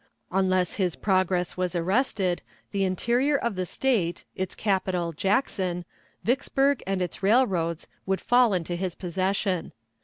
Unless his progress was arrested, the interior of the State, its capital, Jackson, Vicksburg, and its railroads, would fall into his possession.